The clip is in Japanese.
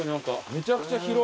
めちゃくちゃ広い。